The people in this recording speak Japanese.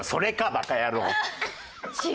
バカ野郎！